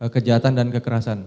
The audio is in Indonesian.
kejahatan dan kekerasan